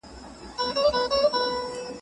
ولي هنري فعالیتونه زموږ ذهن له فشار څخه ساتي؟